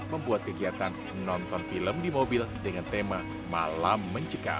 membuat kegiatan nonton film di mobil dengan tema malam mencekam